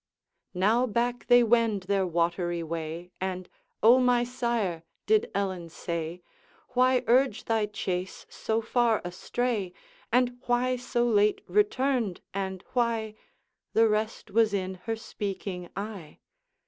Now back they wend their watery way, And, 'O my sire!' did Ellen say, 'Why urge thy chase so far astray? And why so late returned? And why ' The rest was in her speaking eye.